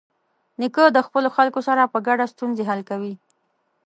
نیکه د خپلو خلکو سره په ګډه ستونزې حل کوي.